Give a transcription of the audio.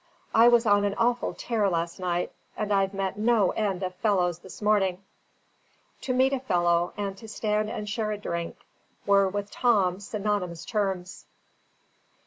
I was on an awful tear last night, and I've met no end of fellows this morning." To meet a fellow, and to stand and share a drink, were with Tom synonymous terms.